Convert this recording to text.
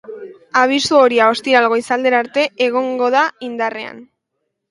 Abisu horia ostiral goizaldera arte egongo da indarrean.